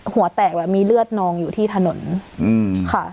หัวแตกแล้วมีเลือดนองอยู่ที่ถนนค่ะ